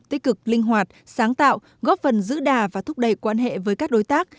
tích cực linh hoạt sáng tạo góp phần giữ đà và thúc đẩy quan hệ với các đối tác